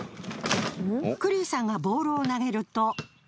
クリーさんがボールを投げると。